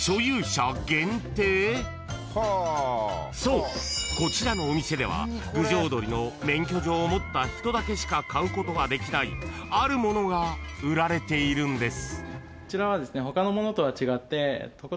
［そうこちらのお店では郡上おどりの免許状を持った人だけしか買うことができないあるものが売られているんです］